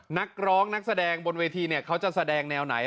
นักร้องนักแสดงบนเวทีเนี่ยเขาจะแสดงแนวไหน